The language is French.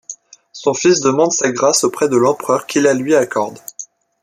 Son fils demande sa grâce auprès de l'Empereur, qui la lui accorde.